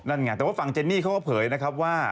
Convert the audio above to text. นั่นไงแต่ว่าฝั่งเจนนี่เขาก็เผยนะครับว่า